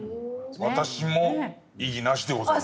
私も異議なしでございます。